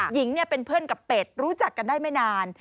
หญิงเป็นเพื่อนกับเป็ดรู้จักกันได้ไม่นาน